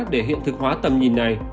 để hiện thực hóa tầm nhìn này